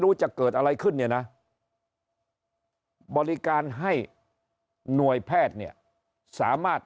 จะเกิดอะไรขึ้นเนี่ยนะบริการให้หน่วยแพทย์เนี่ยสามารถ